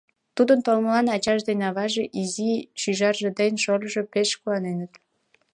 Тудын толмылан ачаж ден аваже, изи шӱжарже ден шольыжо пеш куаненыт.